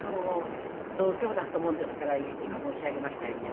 同居だったもんですから今申し上げましたようにね。